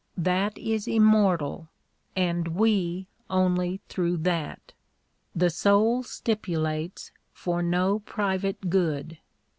That is immortal, and we only through that. The soul stipulates for no private good.